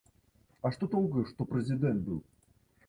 А што толку, што прэзідэнт быў?